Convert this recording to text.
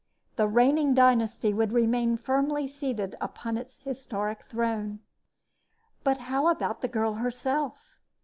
The reigning dynasty would remain firmly seated upon its historic throne. But how about the girl herself?